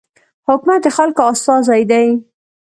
حکومت د خلکو استازی دی.